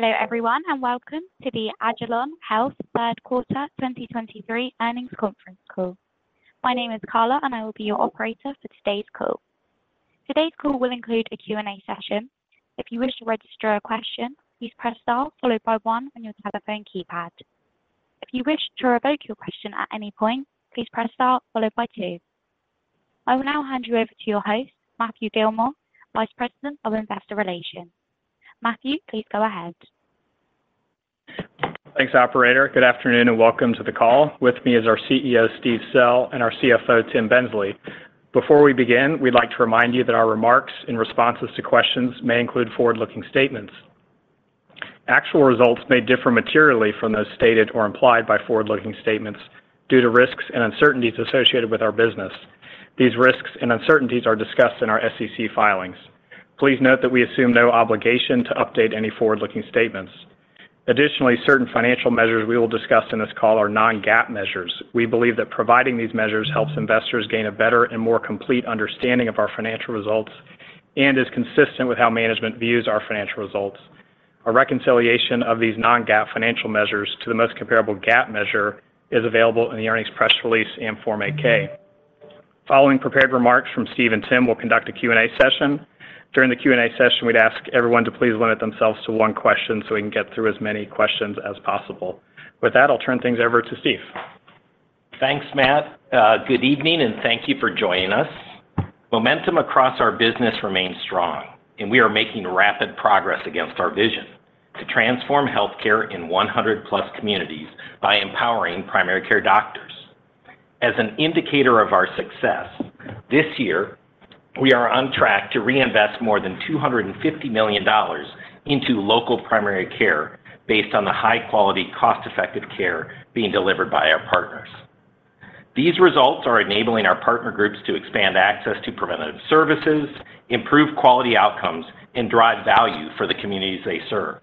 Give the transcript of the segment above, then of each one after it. Hello everyone, and welcome to the Agilon Health Q3 2023 earnings conference call. My name is Carla, and I will be your operator for today's call. Today's call will include a Q&A session. If you wish to register a question, please press star followed by one on your telephone keypad. If you wish to revoke your question at any point, please press star followed by two. I will now hand you over to your host, Matthew Gillmor, Vice President of Investor Relations. Matthew, please go ahead. Thanks, operator. Good afternoon, and welcome to the call. With me is our CEO, Steve Sell, and our CFO, Tim Bensley. Before we begin, we'd like to remind you that our remarks and responses to questions may include forward-looking statements. Actual results may differ materially from those stated or implied by forward-looking statements due to risks and uncertainties associated with our business. These risks and uncertainties are discussed in our SEC filings. Please note that we assume no obligation to update any forward-looking statements. Additionally, certain financial measures we will discuss in this call are non-GAAP measures. We believe that providing these measures helps investors gain a better and more complete understanding of our financial results and is consistent with how management views our financial results. A reconciliation of these non-GAAP financial measures to the most comparable GAAP measure is available in the earnings press release and Form 8-K. Following prepared remarks from Steve and Tim, we'll conduct a Q&A session. During the Q&A session, we'd ask everyone to please limit themselves to one question, so we can get through as many questions as possible. With that, I'll turn things over to Steve. Thanks, Matt. Good evening, and thank you for joining us. Momentum across our business remains strong, and we are making rapid progress against our vision to transform healthcare in 100+ communities by empowering primary care doctors. As an indicator of our success, this year, we are on track to reinvest more than $250 million into local primary care based on the high quality, cost-effective care being delivered by our partners. These results are enabling our partner groups to expand access to preventative services, improve quality outcomes, and drive value for the communities they serve.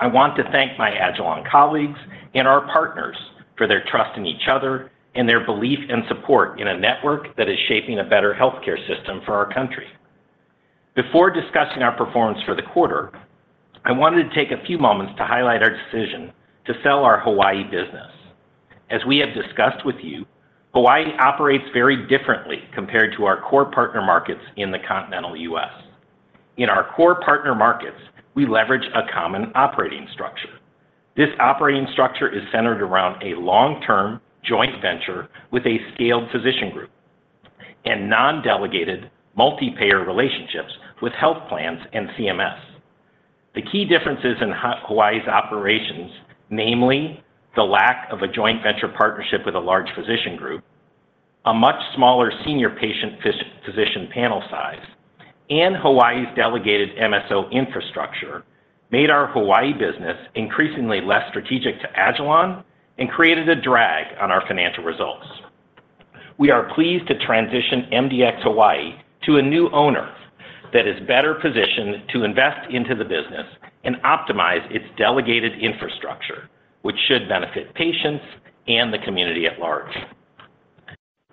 I want to thank my Agilon colleagues and our partners for their trust in each other and their belief and support in a network that is shaping a better healthcare system for our country. Before discussing our performance for the quarter, I wanted to take a few moments to highlight our decision to sell our Hawaii business. As we have discussed with you, Hawaii operates very differently compared to our core partner markets in the continental U.S. In our core partner markets, we leverage a common operating structure. This operating structure is centered around a long-term joint venture with a scaled physician group and non-delegated multi-payer relationships with health plans and CMS. The key differences in Hawaii's operations, namely, the lack of a joint venture partnership with a large physician group, a much smaller senior patient physician panel size, and Hawaii's delegated MSO infrastructure, made our Hawaii business increasingly less strategic to Agilon and created a drag on our financial results. We are pleased to transition MDX Hawaii to a new owner that is better positioned to invest into the business and optimize its delegated infrastructure, which should benefit patients and the community at large.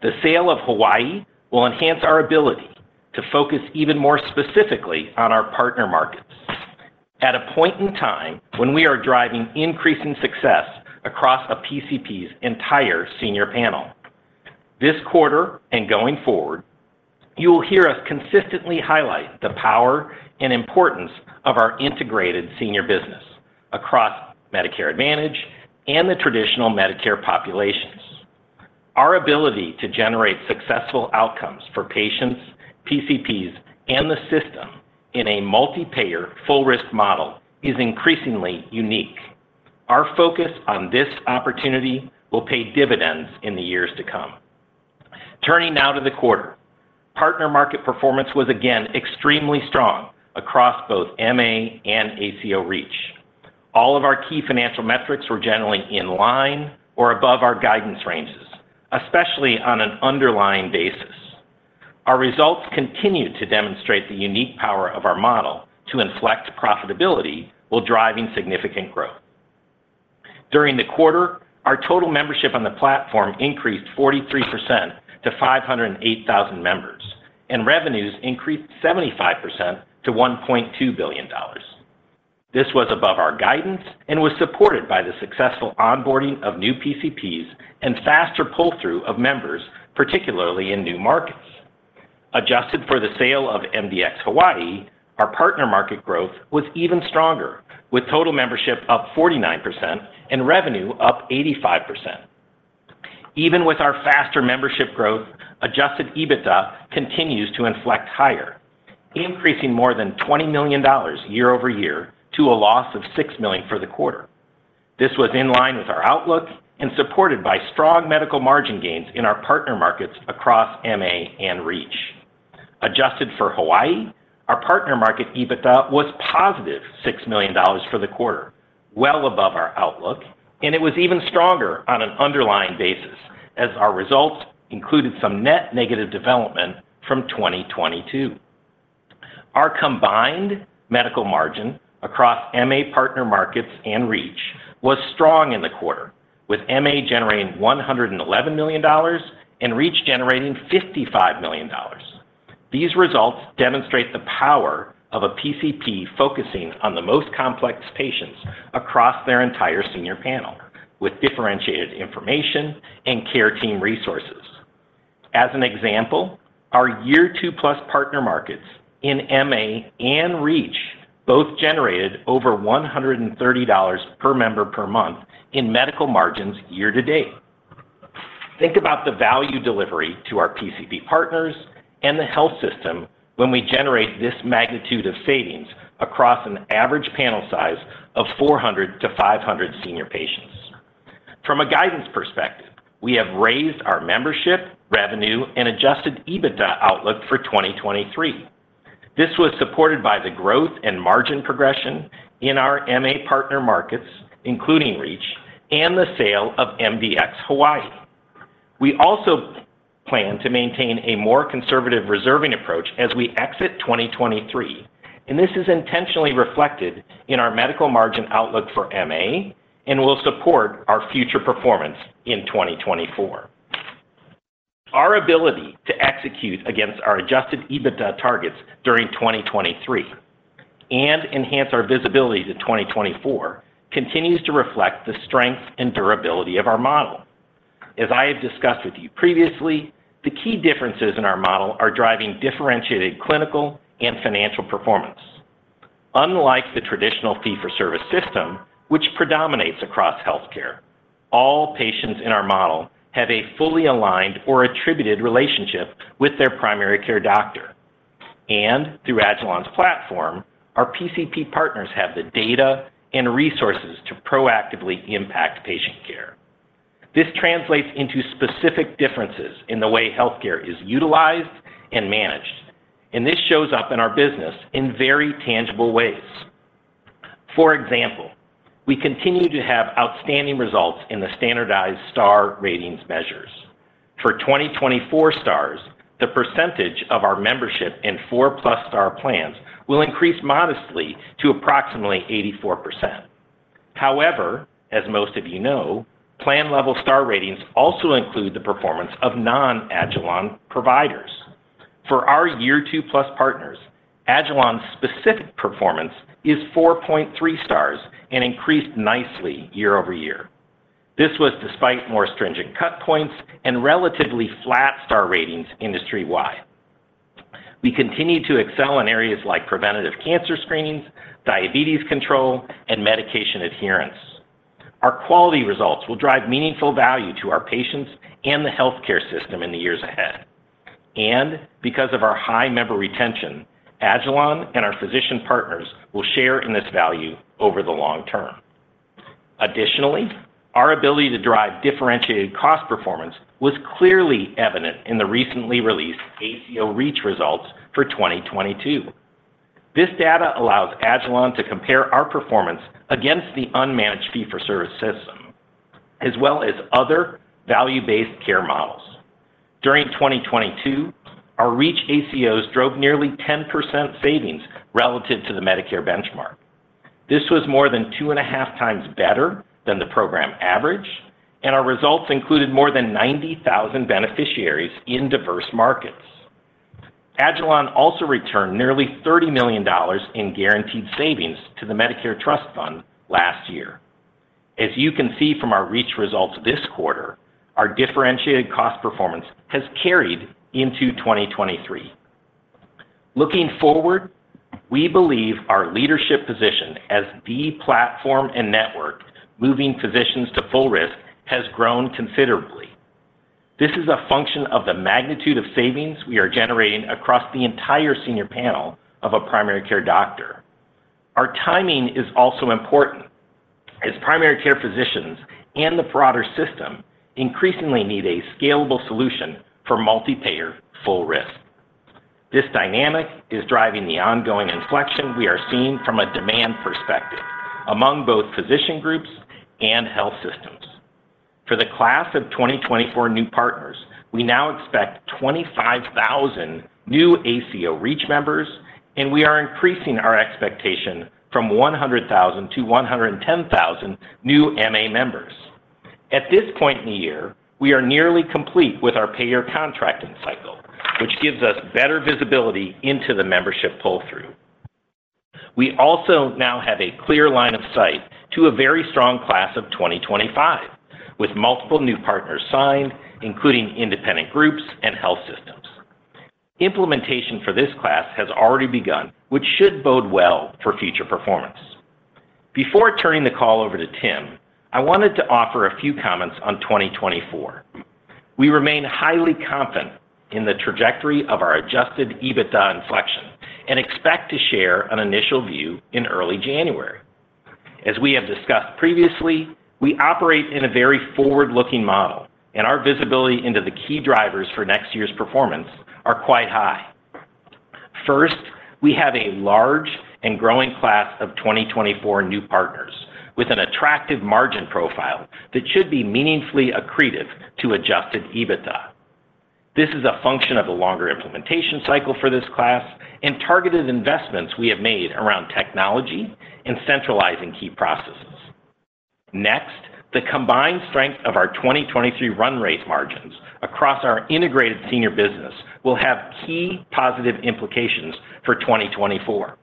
The sale of Hawaii will enhance our ability to focus even more specifically on our partner markets. At a point in time when we are driving increasing success across a PCP's entire senior panel. This quarter and going forward, you will hear us consistently highlight the power and importance of our integrated senior business across Medicare Advantage and the traditional Medicare populations. Our ability to generate successful outcomes for patients, PCPs, and the system in a multi-payer, full risk model is increasingly unique. Our focus on this opportunity will pay dividends in the years to come. Turning now to the quarter, partner market performance was again extremely strong across both MA and ACO REACH. All of our key financial metrics were generally in line or above our guidance ranges, especially on an underlying basis. Our results continued to demonstrate the unique power of our model to inflect profitability while driving significant growth. During the quarter, our total membership on the platform increased 43% to 508,000 members, and revenues increased 75% to $1.2 billion. This was above our guidance and was supported by the successful onboarding of new PCPs and faster pull-through of members, particularly in new markets. Adjusted for the sale of MDX Hawaii, our partner market growth was even stronger, with total membership up 49% and revenue up 85%. Even with our faster membership growth, adjusted EBITDA continues to inflect higher, increasing more than $20 million year-over-year to a loss of $6 million for the quarter. This was in line with our outlook and supported by strong medical margin gains in our partner markets across MA and REACH. Adjusted for Hawaii, our partner market, EBITDA, was +$6 million for the quarter, well above our outlook, and it was even stronger on an underlying basis as our results included some net negative development from 2022. Our combined medical margin across MA partner markets and REACH was strong in the quarter, with MA generating $111 million and REACH generating $55 million.... These results demonstrate the power of a PCP focusing on the most complex patients across their entire senior panel, with differentiated information and care team resources. As an example, our year two-plus partner markets in MA and REACH both generated over $130 per member per month in medical margins year to date. Think about the value delivery to our PCP partners and the health system when we generate this magnitude of savings across an average panel size of 400-500 senior patients. From a guidance perspective, we have raised our membership, revenue, and adjusted EBITDA outlook for 2023. This was supported by the growth and margin progression in our MA partner markets, including REACH, and the sale of MDX Hawaii. We also plan to maintain a more conservative reserving approach as we exit 2023, and this is intentionally reflected in our medical margin outlook for MA and will support our future performance in 2024. Our ability to execute against our adjusted EBITDA targets during 2023 and enhance our visibility to 2024 continues to reflect the strength and durability of our model. As I have discussed with you previously, the key differences in our model are driving differentiated clinical and financial performance. Unlike the traditional Fee-for-Service system, which predominates across healthcare, all patients in our model have a fully aligned or attributed relationship with their primary care doctor. Through Agilon's platform, our PCP partners have the data and resources to proactively impact patient care. This translates into specific differences in the way healthcare is utilized and managed, and this shows up in our business in very tangible ways. For example, we continue to have outstanding results in the standardized star ratings measures. For 2024 stars, the percentage of our membership in 4+ star plans will increase modestly to approximately 84%. However, as most of you know, plan-level star ratings also include the performance of non-Agilon providers. For our year two-plus partners, Agilon's specific performance is 4.3 stars and increased nicely year-over-year. This was despite more stringent cut points and relatively flat star ratings industry-wide. We continue to excel in areas like preventative cancer screenings, diabetes control, and medication adherence. Our quality results will drive meaningful value to our patients and the healthcare system in the years ahead. Because of our high member retention, Agilon and our physician partners will share in this value over the long term. Additionally, our ability to drive differentiated cost performance was clearly evident in the recently released ACO REACH results for 2022. This data allows Agilon to compare our performance against the unmanaged fee-for-service system, as well as other value-based care models. During 2022, our REACH ACOs drove nearly 10% savings relative to the Medicare benchmark. This was more than 2.5 times better than the program average, and our results included more than 90,000 beneficiaries in diverse markets. Agilon also returned nearly $30 million in guaranteed savings to the Medicare Trust Fund last year. As you can see from our REACH results this quarter, our differentiated cost performance has carried into 2023. Looking forward, we believe our leadership position as the platform and network moving physicians to full risk has grown considerably. This is a function of the magnitude of savings we are generating across the entire senior panel of a primary care doctor. Our timing is also important, as primary care physicians and the broader system increasingly need a scalable solution for multi-payer full risk. This dynamic is driving the ongoing inflection we are seeing from a demand perspective among both physician groups and health systems. For the Class of 2024 new partners, we now expect 25,000 new ACO REACH members, and we are increasing our expectation from 100,000 to 110,000 new MA members. At this point in the year, we are nearly complete with our payer contracting cycle, which gives us better visibility into the membership pull-through. We also now have a clear line of sight to a very strong Class of 2025, with multiple new partners signed, including independent groups and health systems. Implementation for this class has already begun, which should bode well for future performance. Before turning the call over to Tim, I wanted to offer a few comments on 2024. We remain highly confident in the trajectory of our adjusted EBITDA inflection and expect to share an initial view in early January. As we have discussed previously, we operate in a very forward-looking model, and our visibility into the key drivers for next year's performance are quite high. First, we have a large and growing Class of 2024 new partners with an attractive margin profile that should be meaningfully accretive to adjusted EBITDA. This is a function of the longer implementation cycle for this class and targeted investments we have made around technology and centralizing key processes..... Next, the combined strength of our 2023 run rate margins across our integrated senior business will have key positive implications for 2024.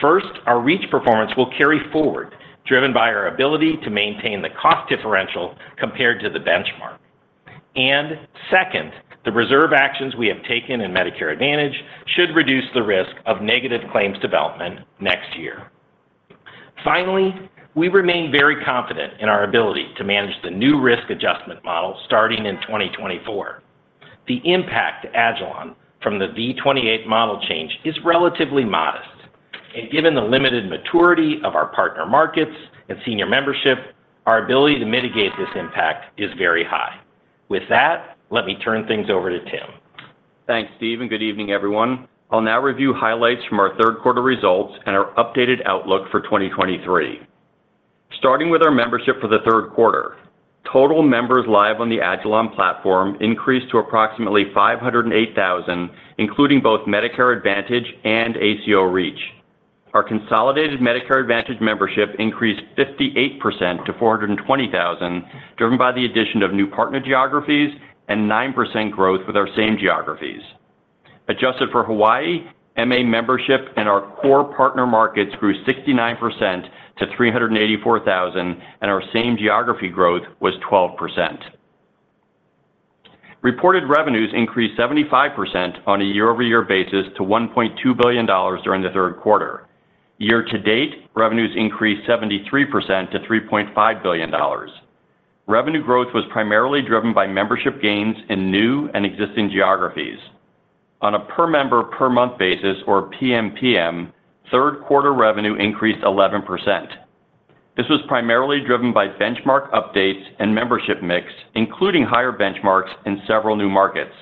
First, our REACH performance will carry forward, driven by our ability to maintain the cost differential compared to the benchmark. Second, the reserve actions we have taken in Medicare Advantage should reduce the risk of negative claims development next year. Finally, we remain very confident in our ability to manage the new risk adjustment model starting in 2024. The impact to Agilon from the V28 model change is relatively modest, and given the limited maturity of our partner markets and senior membership, our ability to mitigate this impact is very high. With that, let me turn things over to Tim. Thanks, Steve, and good evening, everyone. I'll now review highlights from our Q3 results and our updated outlook for 2023. starting with our membership for the Q3, total members live on the Agilon platform increased to approximately 508,000, including both Medicare Advantage and ACO REACH. Our consolidated Medicare Advantage membership increased 58% to 420,000, driven by the addition of new partner geographies and 9% growth with our same geographies. Adjusted for Hawaii, MA membership and our core partner markets grew 69% to 384,000, and our same geography growth was 12%. Reported revenues increased 75% on a year-over-year basis to $1.2 billion during the Q3. Year-to-date, revenues increased 73% to $3.5 billion. Revenue growth was primarily driven by membership gains in new and existing geographies. On a per member, per month basis, or PMPM, Q3 revenue increased 11%. This was primarily driven by benchmark updates and membership mix, including higher benchmarks in several new markets.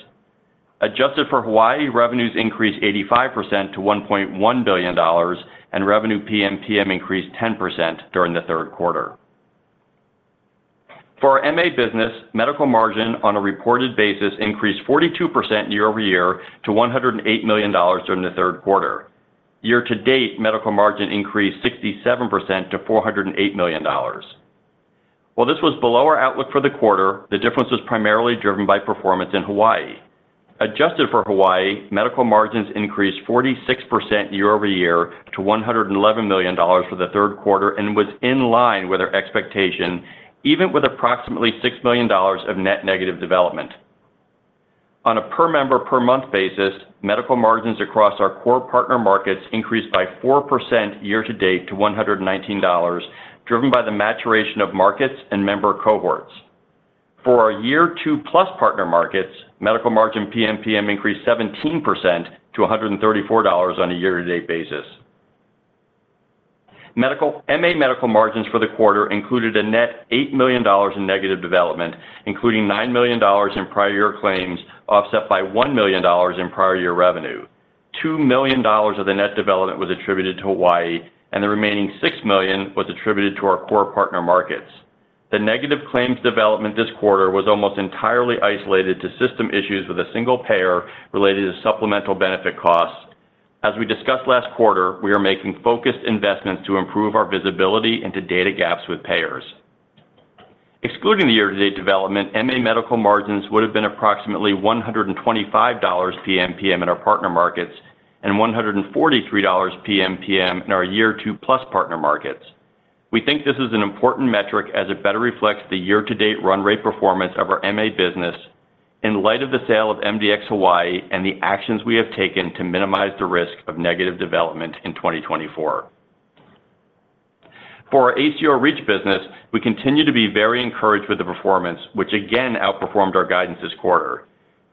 Adjusted for Hawaii, revenues increased 85% to $1.1 billion, and revenue PMPM increased 10% during the Q3. For our MA business, medical margin on a reported basis increased 42% year-over-year to $108 million during the Q3. Year-to-date, medical margin increased 67% to $408 million. While this was below our outlook for the quarter, the difference was primarily driven by performance in Hawaii. Adjusted for Hawaii, medical margins increased 46% year-over-year to $111 million for the Q3 and was in line with our expectation, even with approximately $6 million of net negative development. On a per member, per month basis, medical margins across our core partner markets increased by 4% year-to-date to $119, driven by the maturation of markets and member cohorts. For our year 2+ partner markets, Medical Margin PMPM increased 17% to $134 on a year-to-date basis. MA medical margins for the quarter included a net $8 million in negative development, including $9 million in prior year claims, offset by $1 million in prior year revenue. $2 million of the net development was attributed to Hawaii, and the remaining $6 million was attributed to our core partner markets. The negative claims development this quarter was almost entirely isolated to system issues with a single payer related to supplemental benefit costs. As we discussed last quarter, we are making focused investments to improve our visibility into data gaps with payers. Excluding the year-to-date development, MA medical margins would have been approximately $125 PMPM in our partner markets and $143 PMPM in our year two plus partner markets. We think this is an important metric as it better reflects the year-to-date run rate performance of our MA business in light of the sale of MDX Hawaii and the actions we have taken to minimize the risk of negative development in 2024. For our ACO REACH business, we continue to be very encouraged with the performance, which again outperformed our guidance this quarter.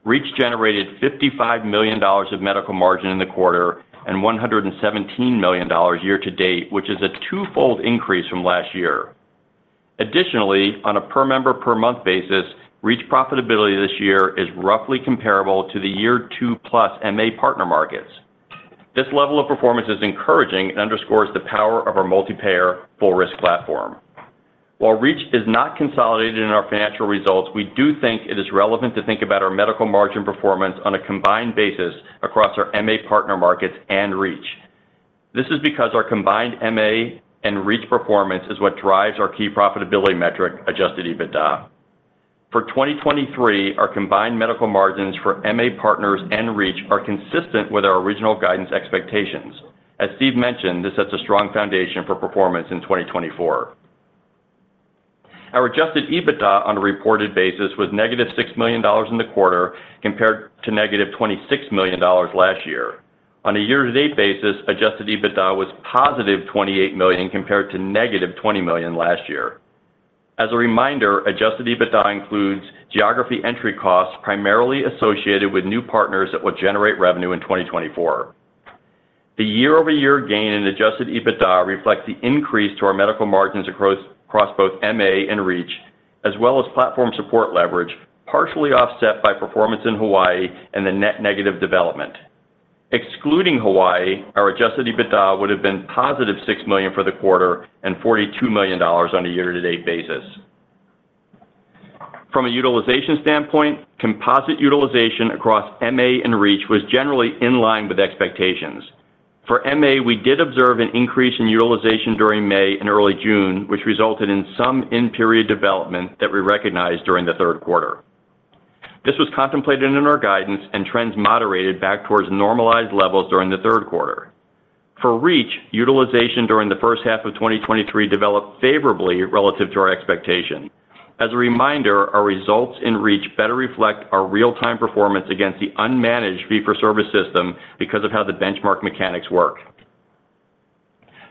REACH generated $55 million of medical margin in the quarter and $117 million year to date, which is a twofold increase from last year. Additionally, on a per member, per month basis, REACH profitability this year is roughly comparable to the year two plus MA partner markets. This level of performance is encouraging and underscores the power of our multi-payer full risk platform. While REACH is not consolidated in our financial results, we do think it is relevant to think about our medical margin performance on a combined basis across our MA partner markets and REACH. This is because our combined MA and REACH performance is what drives our key profitability metric, adjusted EBITDA. For 2023, our combined medical margins for MA partners and REACH are consistent with our original guidance expectations. As Steve mentioned, this sets a strong foundation for performance in 2024. Our adjusted EBITDA on a reported basis was -$6 million in the quarter, compared to -$26 million last year. On a year-to-date basis, adjusted EBITDA was +$28 million, compared to -$20 million last year. As a reminder, adjusted EBITDA includes geography entry costs primarily associated with new partners that will generate revenue in 2024. The year-over-year gain in adjusted EBITDA reflects the increase to our medical margins across both MA and REACH, as well as platform support leverage, partially offset by performance in Hawaii and the net negative development. Excluding Hawaii, our adjusted EBITDA would have been +$6 million for the quarter and $42 million on a year-to-date basis. From a utilization standpoint, composite utilization across MA and REACH was generally in line with expectations. For MA, we did observe an increase in utilization during May and early June, which resulted in some in-period development that we recognized during the Q3. This was contemplated in our guidance, and trends moderated back towards normalized levels during the Q3. For REACH, utilization during the H1 of 2023 developed favorably relative to our expectation. As a reminder, our results in REACH better reflect our real-time performance against the unmanaged fee-for-service system because of how the benchmark mechanics work.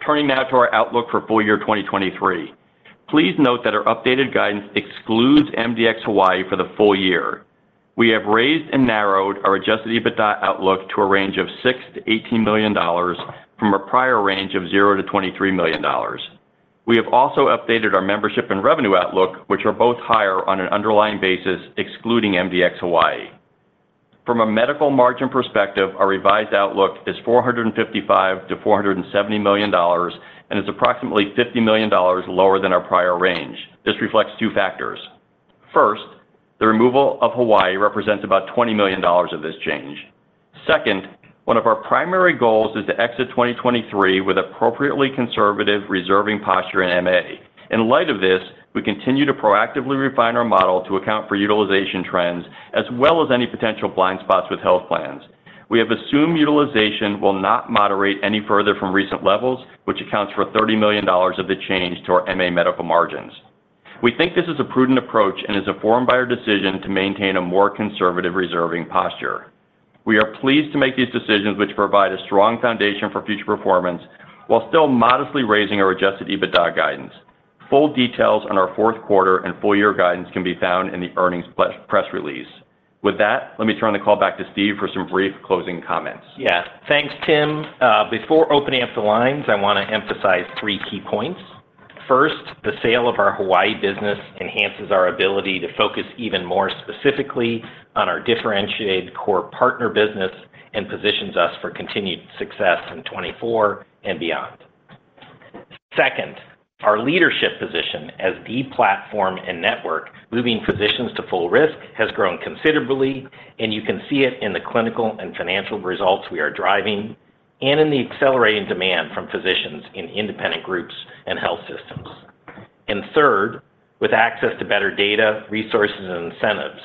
Turning now to our outlook for full year 2023. Please note that our updated guidance excludes MDX Hawaii for the full year. We have raised and narrowed our adjusted EBITDA outlook to a range of $6 million-$18 million, from a prior range of $0-$23 million. We have also updated our membership and revenue outlook, which are both higher on an underlying basis, excluding MDX Hawaii. From a medical margin perspective, our revised outlook is $455 million-$470 million, and is approximately $50 million lower than our prior range. This reflects two factors. First, the removal of Hawaii represents about $20 million of this change. Second, one of our primary goals is to exit 2023 with appropriately conservative reserving posture in MA. In light of this, we continue to proactively refine our model to account for utilization trends, as well as any potential blind spots with health plans. We have assumed utilization will not moderate any further from recent levels, which accounts for $30 million of the change to our MA medical margins. We think this is a prudent approach and is informed by our decision to maintain a more conservative reserving posture. We are pleased to make these decisions, which provide a strong foundation for future performance, while still modestly raising our adjusted EBITDA guidance. Full details on our Q4 and full year guidance can be found in the earnings press, press release. With that, let me turn the call back to Steve for some brief closing comments. Yeah. Thanks, Tim. Before opening up the lines, I wanna emphasize three key points. First, the sale of our Hawaii business enhances our ability to focus even more specifically on our differentiated core partner business, and positions us for continued success in 2024 and beyond. Second, our leadership position as the platform and network, moving physicians to full risk, has grown considerably, and you can see it in the clinical and financial results we are driving, and in the accelerating demand from physicians in independent groups and health systems. And third, with access to better data, resources, and incentives,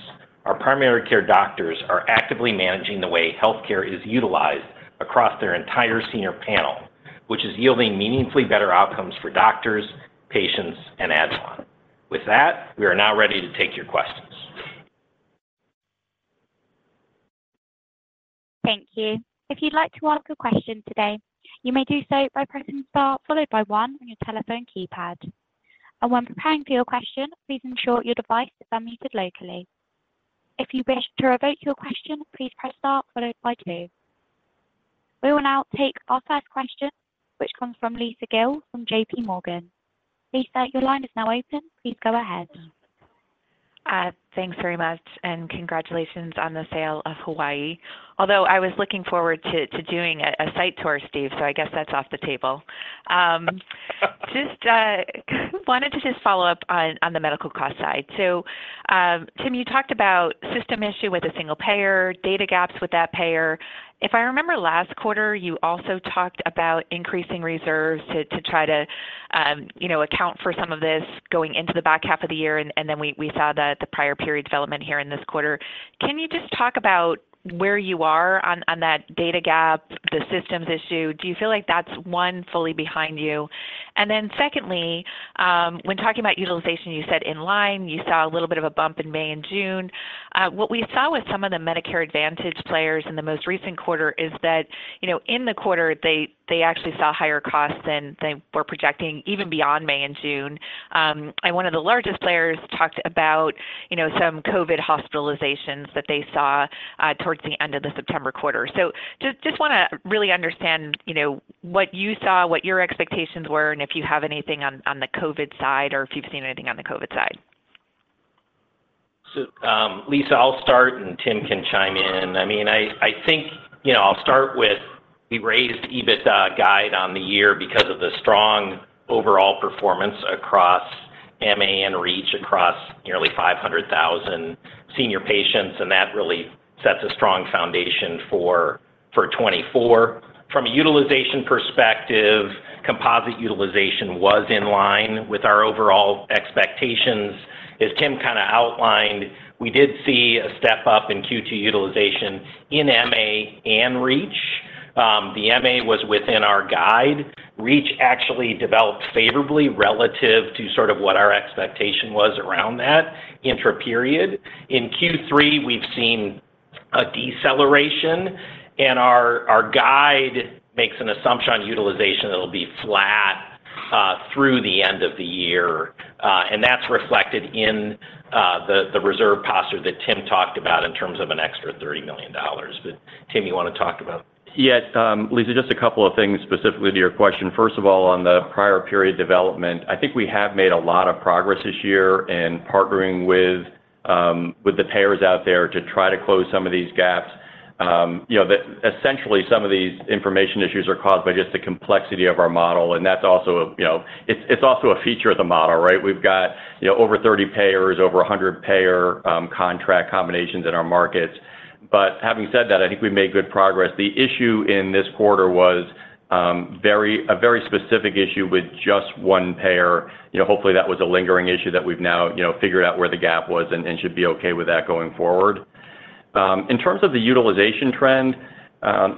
our primary care doctors are actively managing the way healthcare is utilized across their entire senior panel, which is yielding meaningfully better outcomes for doctors, patients, and Agilon. With that, we are now ready to take your questions. Thank you. If you'd like to ask a question today, you may do so by pressing star, followed by one on your telephone keypad. When preparing for your question, please ensure your device is unmuted locally. If you wish to revoke your question, please press star followed by two. We will now take our first question, which comes from Lisa Gill from JPMorgan. Lisa, your line is now open. Please go ahead. Thanks very much, and congratulations on the sale of Hawaii. Although I was looking forward to doing a site tour, Steve, so I guess that's off the table. Just wanted to follow up on the medical cost side. So, Tim, you talked about system issue with a single payer, data gaps with that payer. If I remember last quarter, you also talked about increasing reserves to try to account for some of this going into the back half of the year, and then we saw the prior period development here in this quarter. Can you just talk about where you are on that data gap, the systems issue? Do you feel like that's fully behind you? And then secondly, when talking about utilization, you said in line, you saw a little bit of a bump in May and June. What we saw with some of the Medicare Advantage players in the most recent quarter is that, you know, in the quarter, they actually saw higher costs than they were projecting, even beyond May and June. And one of the largest players talked about, you know, some COVID hospitalizations that they saw towards the end of the September quarter. So just wanna really understand, you know, what you saw, what your expectations were, and if you have anything on the COVID side, or if you've seen anything on the COVID side. So, Lisa, I'll start and Tim can chime in. I mean, I think, you know, I'll start with the raised EBITDA guide on the year because of the strong overall performance across MA and REACH, across nearly 500,000 senior patients, and that really sets a strong foundation for 2024. From a utilization perspective, composite utilization was in line with our overall expectations. As Tim kinda outlined, we did see a step up in Q2 utilization in MA and REACH. The MA was within our guide. REACH actually developed favorably relative to sort of what our expectation was around that intraperiod. In Q3, we've seen a deceleration, and our guide makes an assumption on utilization that it'll be flat through the end of the year. And that's reflected in the reserve posture that Tim talked about in terms of an extra $30 million. But Tim, you wanna talk about? Yes, Lisa, just a couple of things specifically to your question. First of all, on the prior period development, I think we have made a lot of progress this year in partnering with, with the payers out there to try to close some of these gaps. You know, essentially, some of these information issues are caused by just the complexity of our model, and that's also, you know, it's also a feature of the model, right? We've got, you know, over 30 payers, over 100 payer contract combinations in our markets. But having said that, I think we made good progress. The issue in this quarter was a very specific issue with just one payer. You know, hopefully, that was a lingering issue that we've now, you know, figured out where the gap was and should be okay with that going forward. In terms of the utilization trend,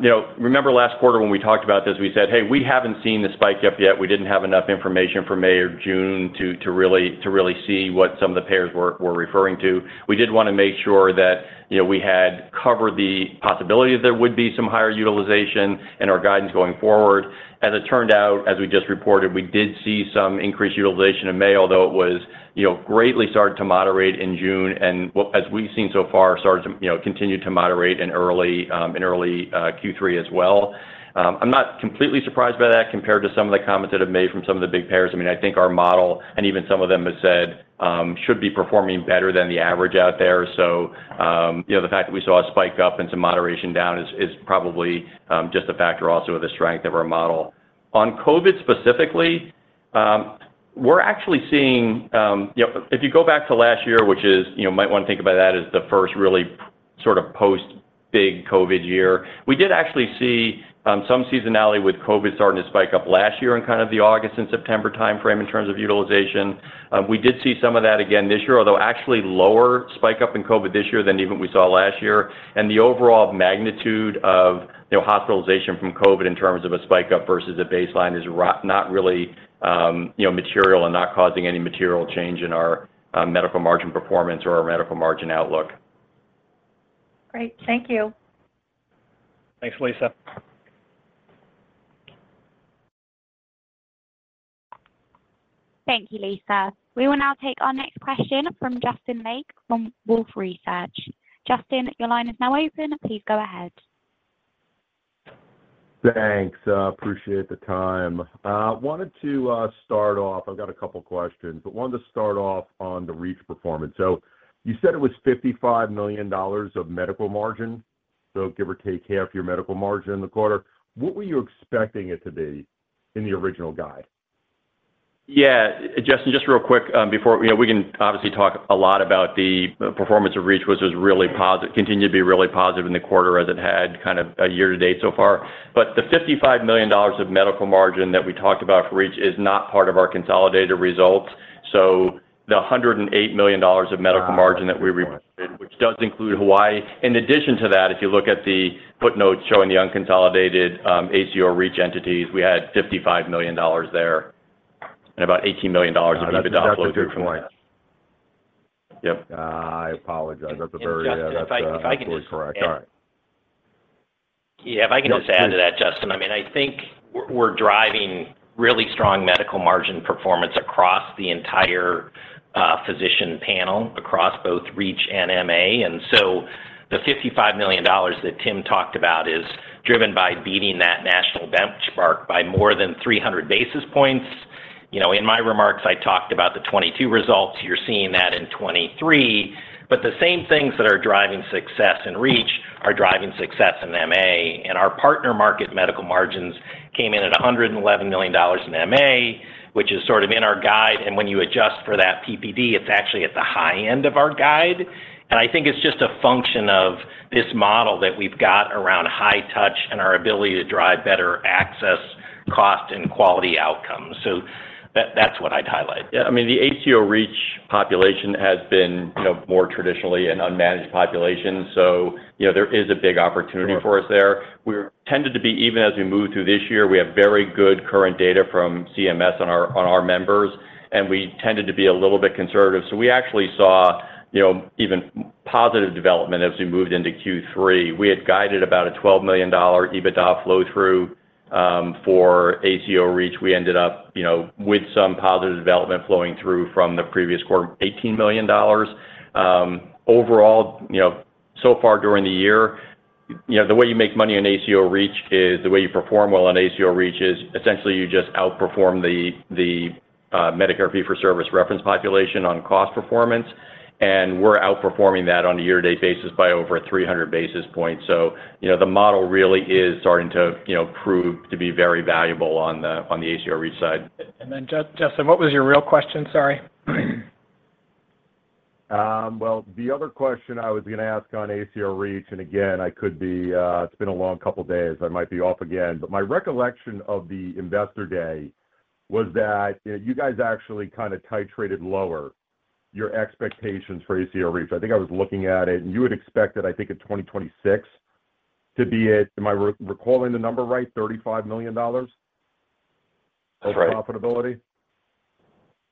you know, remember last quarter when we talked about this, we said, "Hey, we haven't seen the spike up yet." We didn't have enough information for May or June to really see what some of the payers were referring to. We did wanna make sure that, you know, we had covered the possibility that there would be some higher utilization in our guidance going forward. As it turned out, as we just reported, we did see some increased utilization in May, although it was, you know, greatly started to moderate in June, and as we've seen so far, started to, you know, continue to moderate in early Q3 as well. I'm not completely surprised by that compared to some of the comments that I've made from some of the big payers. I mean, I think our model, and even some of them have said, should be performing better than the average out there. So, you know, the fact that we saw a spike up and some moderation down is probably just a factor also of the strength of our model. On COVID, specifically, we're actually seeing. Yep, if you go back to last year, which is, you know, might wanna think about that as the first really sort of post big COVID year, we did actually see some seasonality with COVID starting to spike up last year in kind of the August and September time frame in terms of utilization. We did see some of that again this year, although actually lower spike up in COVID this year than even we saw last year. And the overall magnitude of, you know, hospitalization from COVID in terms of a spike up versus a baseline is not really, you know, material and not causing any material change in our medical margin performance or our medical margin outlook. Great. Thank you. Thanks, Lisa. Thank you, Lisa. We will now take our next question from Justin Lake from Wolfe Research. Justin, your line is now open. Please go ahead. Thanks, appreciate the time. Wanted to start off, I've got a couple of questions, but wanted to start off on the REACH performance. So you said it was $55 million of medical margin, so give or take half your medical margin in the quarter, what were you expecting it to be in the original guide? Yeah, Justin, just real quick, before, you know, we can obviously talk a lot about the performance of REACH, which was really positive, continued to be really positive in the quarter as it had kind of a year to date so far. But the $55 million of medical margin that we talked about for REACH is not part of our consolidated results. So the $108 million of medical margin that we reported, which does include Hawaii, in addition to that, if you look at the footnotes showing the unconsolidated, ACO REACH entities, we had $55 million there, and about $18 million of EBITDA flow through from that. That's a good point. Yep. I apologize. That's a very- And Justin, if I can just- That's absolutely correct. All right. Yeah, if I can just add to that, Justin, I mean, I think we're driving really strong medical margin performance across the entire physician panel, across both REACH and MA. And so the $55 million that Tim talked about is driven by beating that national benchmark by more than 300 basis points. You know, in my remarks, I talked about the 2022 results. You're seeing that in 2023. But the same things that are driving success in REACH are driving success in MA. And our partner market medical margins came in at $111 million in MA, which is sort of in our guide. And when you adjust for that PPD, it's actually at the high end of our guide. I think it's just a function of this model that we've got around high touch and our ability to drive better access, cost, and quality outcomes. So that, that's what I'd highlight. Yeah, I mean, the ACO REACH population has been, you know, more traditionally an unmanaged population, so, you know, there is a big opportunity for us there. We're tended to be, even as we move through this year, we have very good current data from CMS on our, on our members, and we tended to be a little bit conservative. So we actually saw, you know, even positive development as we moved into Q3. We had guided about a $12 million EBITDA flow-through for ACO REACH. We ended up, you know, with some positive development flowing through from the previous quarter, $18 million. Overall, you know, so far during the year, you know, the way you make money in ACO REACH is, the way you perform well on ACO REACH is essentially you just outperform the Medicare fee-for-service reference population on cost performance, and we're outperforming that on a year-to-date basis by over 300 basis points. So, you know, the model really is starting to, you know, prove to be very valuable on the, on the ACO REACH side. And then, Justin, what was your real question? Sorry. Well, the other question I was gonna ask on ACO REACH, and again, I could be, it's been a long couple of days, I might be off again, but my recollection of the Investor Day was that, you know, you guys actually kinda titrated lower your expectations for ACO REACH. I think I was looking at it, and you would expect that, I think in 2026 to be at... Am I recalling the number right, $35 million- That's right... of profitability?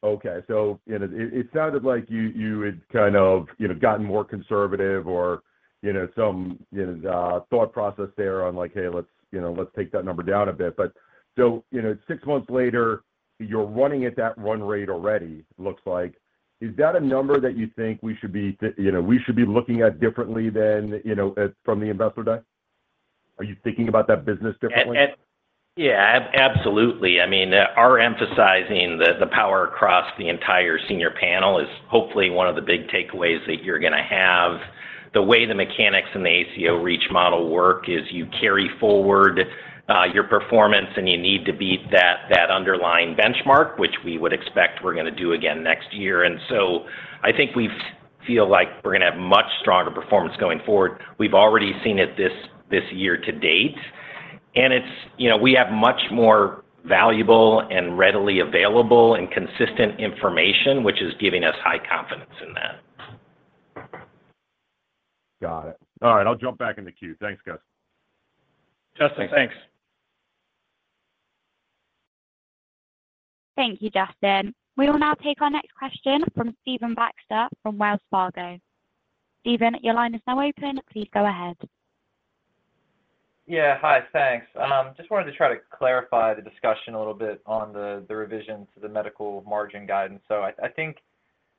Okay. So, you know, it, it sounded like you, you had kind of, you know, gotten more conservative or, you know, some, you know, thought process there on like, "Hey, let's, you know, let's take that number down a bit." But so, you know, six months later, you're running at that run rate already, looks like. Is that a number that you think we should be, that, you know, we should be looking at differently than, you know, at, from the Investor Day? Are you thinking about that business differently? Yeah, absolutely. I mean, our emphasizing the power across the entire senior panel is hopefully one of the big takeaways that you're going to have. The way the mechanics and the ACO REACH model work is you carry forward your performance, and you need to beat that underlying benchmark, which we would expect we're going to do again next year. And so I think we feel like we're going to have much stronger performance going forward. We've already seen it this year to date, and it's, you know, we have much more valuable and readily available and consistent information, which is giving us high confidence in that. Got it. All right, I'll jump back in the queue. Thanks, guys. Justin, thanks. Thank you, Justin. We will now take our next question from Stephen Baxter from Wells Fargo. Stephen, your line is now open. Please go ahead. Yeah. Hi, thanks. Just wanted to try to clarify the discussion a little bit on the revision to the medical margin guidance. So I think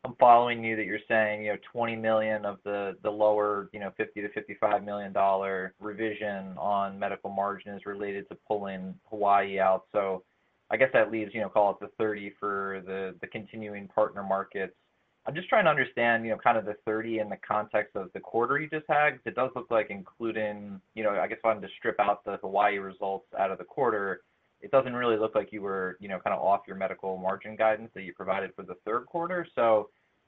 I'm following you, that you're saying, you know, $20 million of the lower $50-$55 million revision on medical margin is related to pulling Hawaii out. So I guess that leaves, you know, call it the $30 million for the continuing partner markets. I'm just trying to understand, you know, kind of the $30 million in the context of the quarter you just had. It does look like including, you know, I guess, wanting to strip out the Hawaii results out of the quarter, it doesn't really look like you were, you know, kind of off your medical margin guidance that you provided for the Q3.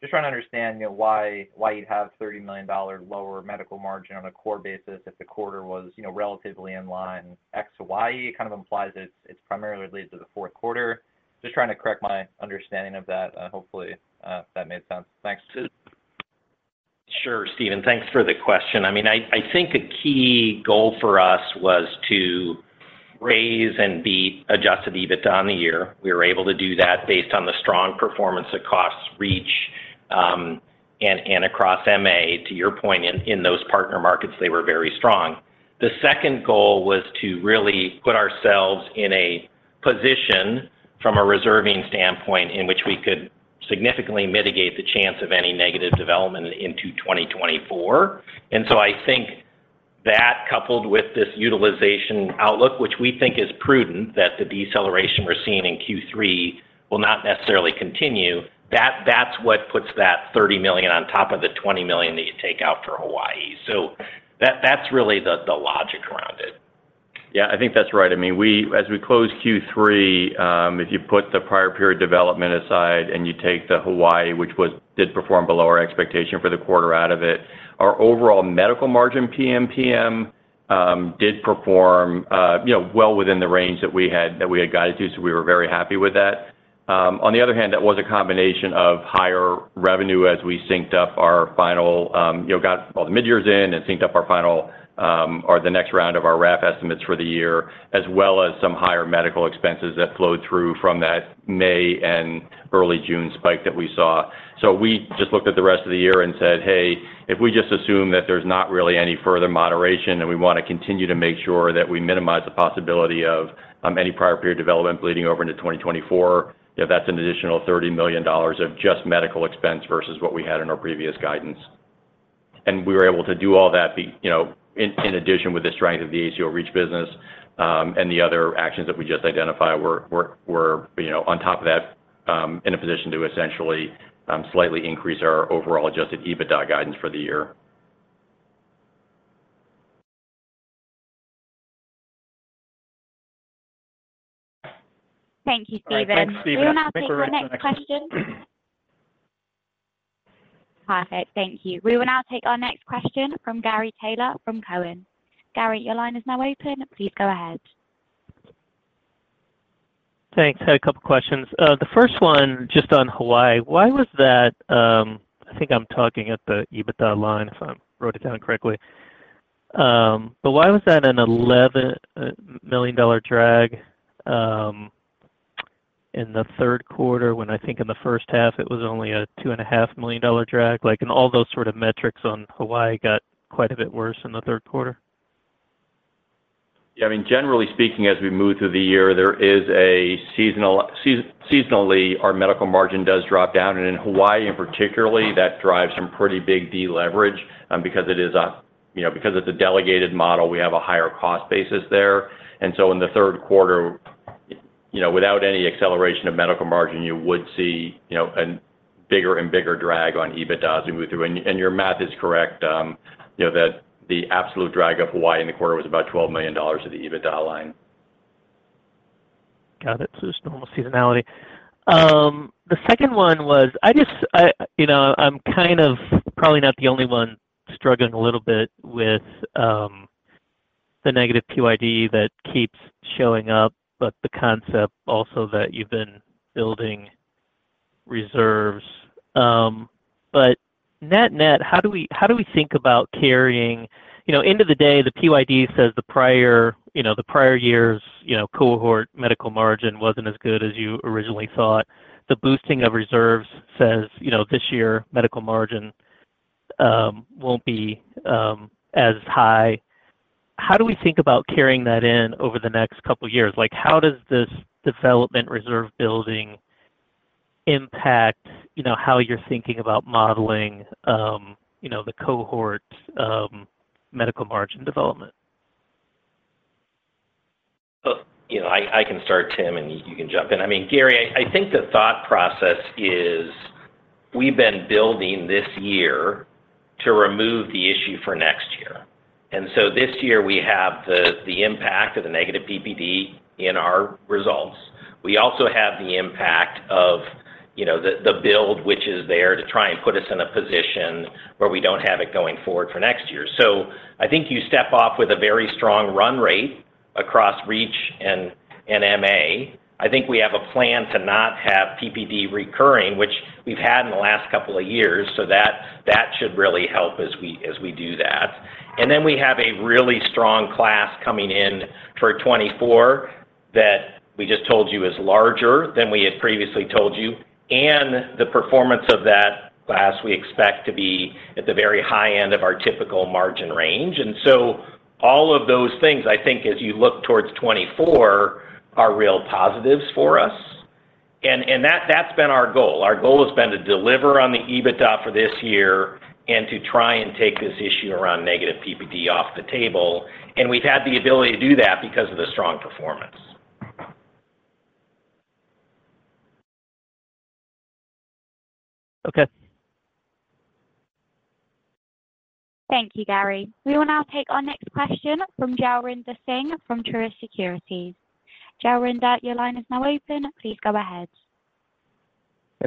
Just trying to understand, you know, why, why you'd have $30 million lower medical margin on a core basis if the quarter was, you know, relatively in line X to Y. It kind of implies it's, it's primarily related to the Q4. Just trying to correct my understanding of that, hopefully, if that made sense. Thanks. Sure, Stephen. Thanks for the question. I mean, I, I think a key goal for us was to raise and beat adjusted EBITDA on the year. We were able to do that based on the strong performance of ACO REACH, and, and across MA, to your point, in, in those partner markets, they were very strong. The second goal was to really put ourselves in a position from a reserving standpoint, in which we could significantly mitigate the chance of any negative development into 2024. And so I think that coupled with this utilization outlook, which we think is prudent, that the deceleration we're seeing in Q3 will not necessarily continue, that's what puts that $30 million on top of the $20 million that you take out for Hawaii. So that's really the logic around it. Yeah, I think that's right. I mean, we as we close Q3, if you put the prior period development aside, and you take the Hawaii, which did perform below our expectation for the quarter out of it, our overall medical margin PMPM did perform, you know, well within the range that we had, that we had guided to, so we were very happy with that. On the other hand, that was a combination of higher revenue as we synced up our final, you know, got all the midyears in and synced up our final, or the next round of our wrap estimates for the year, as well as some higher medical expenses that flowed through from that May and early June spike that we saw. So we just looked at the rest of the year and said, "Hey, if we just assume that there's not really any further moderation, and we want to continue to make sure that we minimize the possibility of any prior period development bleeding over into 2024, if that's an additional $30 million of just medical expense versus what we had in our previous guidance." And we were able to do all that, you know, in addition, with the strength of the ACO REACH business, and the other actions that we just identified were, you know, on top of that, in a position to essentially slightly increase our overall adjusted EBITDA guidance for the year. Thank you, Steven. Thanks, Steven. We will now take our next question. Perfect. Thank you. We will now take our next question from Gary Taylor, from Cowen. Gary, your line is now open. Please go ahead. Thanks. I had a couple of questions. The first one, just on Hawaii, why was that, I think I'm talking at the EBITDA line, if I wrote it down correctly. But why was that a $11 million drag, in the Q3, when I think in the H1 it was only a $2.5 million drag? Like, and all those sort of metrics on Hawaii got quite a bit worse in the Q3? Yeah, I mean, generally speaking, as we move through the year, there is a seasonally, our medical margin does drop down, and in Hawaii, in particular, that drives some pretty big deleverage, because it is a, you know, because it's a delegated model, we have a higher cost basis there. And so in the Q3, you know, without any acceleration of medical margin, you would see, you know, a bigger and bigger drag on EBITDA as we move through. And your math is correct, you know, that the absolute drag of Hawaii in the quarter was about $12 million to the EBITDA line. Got it. So it's normal seasonality. The second one was, I just, you know, I'm kind of probably not the only one struggling a little bit with the negative PPD that keeps showing up, but the concept also that you've been building reserves. But net, net, how do we, how do we think about carrying... You know, end of the day, the PPD says the prior, you know, the prior years, you know, cohort medical margin wasn't as good as you originally thought. The boosting of reserves says, you know, this year, medical margin won't be as high. How do we think about carrying that in over the next couple of years? Like, how does this development reserve building impact, you know, how you're thinking about modeling, you know, the cohort medical margin development? Well, you know, I can start, Tim, and you can jump in. I mean, Gary, I think the thought process is we've been building this year to remove the issue for next year. And so this year we have the impact of the negative PPD in our results. We also have the impact of, you know, the build, which is there to try and put us in a position where we don't have it going forward for next year. So I think you step off with a very strong run rate across REACH and MA. I think we have a plan to not have PPD recurring, which we've had in the last couple of years, so that should really help as we do that. And then we have a really strong class coming in for 2024, that we just told you is larger than we had previously told you, and the performance of that class, we expect to be at the very high end of our typical margin range. And so all of those things, I think, as you look towards 2024, are real positives for us. And that, that's been our goal. Our goal has been to deliver on the EBITDA for this year and to try and take this issue around negative PPD off the table, and we've had the ability to do that because of the strong performance. Okay. Thank you, Gary. We will now take our next question from Jailendra Singh from Truist Securities. Jailendra, your line is now open. Please go ahead.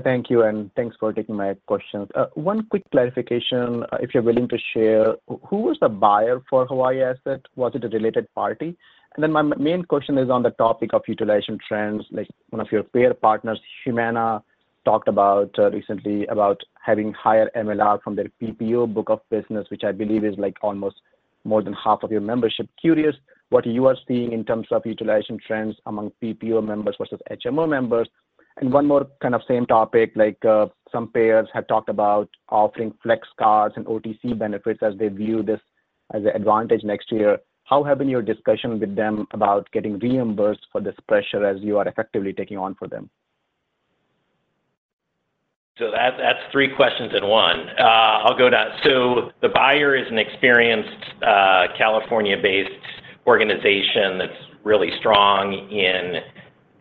Thank you, and thanks for taking my questions. One quick clarification, if you're willing to share, who was the buyer for Hawaii asset? Was it a related party? And then my main question is on the topic of utilization trends. Like, one of your peer partners, Humana, talked about recently about having higher MLR from their PPO book of business, which I believe is, like, almost more than half of your membership. Curious, what you are seeing in terms of utilization trends among PPO members versus HMO members? And one more kind of same topic, like, some payers have talked about offering flex cards and OTC benefits as they view this as an advantage next year. How have been your discussion with them about getting reimbursed for this pressure as you are effectively taking on for them? So that's three questions in one. I'll go to that. So the buyer is an experienced, California-based organization that's really strong in